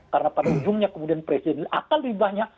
karena pada ujungnya kemudian presiden akan ribahnya